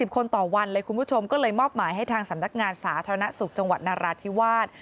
คนต่อวันเลยคุณผู้ชมก็เลยมอบหมายให้ทางสำนักงานสาธารณสุขจังหวัดนราธิวาส